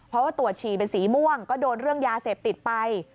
เพราะว่าตรวจฉี่เป็นสีม่วงก็โดนเรื่องยาเสพติดไป